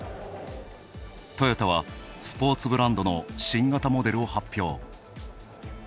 トヨタはスポーツブランドの新型モデルを発表。